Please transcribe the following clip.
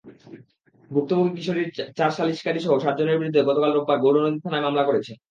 ভুক্তভোগী কিশোরী চার সালিসকারীসহ সাতজনের বিরুদ্ধে গতকাল রোববার গৌরনদী থানায় মামলা করেছে।